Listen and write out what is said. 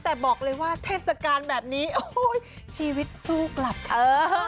แต่บอกเลยว่าเทศกาลแบบนี้โอ้โหชีวิตสู้กลับค่ะ